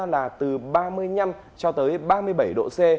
là từ ba mươi năm cho tới ba mươi bảy độ c